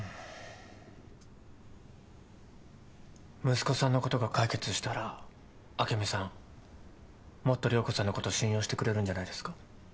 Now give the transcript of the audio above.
息子さんのことが解決したら朱美さんもっと涼子さんのこと信用してくれるんじゃないですか？